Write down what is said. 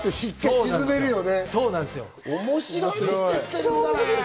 面白いの作ってるんだね。